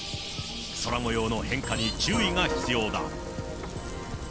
空もようの変化に注意が必要だ。